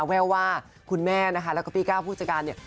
แววว่าคุณแม่นะคะแล้วก็พี่ก้าวผู้จัดการเนี่ย